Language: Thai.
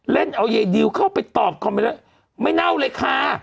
เล่นเอาเย็ดดิวเข้าไปตอบคอมเมล็ดไม่เน่าเลยค่ะ